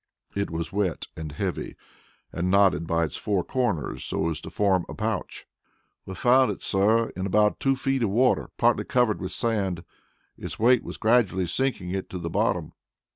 It was wet and heavy, and knotted by its four corners so as to form a pouch. "We found it, sir, in about two feet of water, partly covered with sand. Its weight was gradually sinking it into the bottom."